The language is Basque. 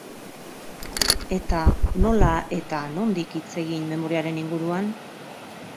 Eta, nola eta nondik hitz egin memoriaren inguruan?